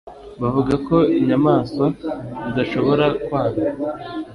Bavuga ko inyamaswa zidashobora kwanga